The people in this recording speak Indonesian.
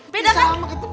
beda kan beda